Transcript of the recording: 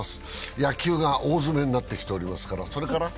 野球が大詰めになってきておりますから。